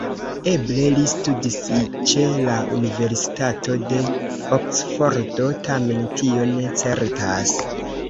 Eble li studis ĉe la Universitato de Oksfordo, tamen tio ne certas.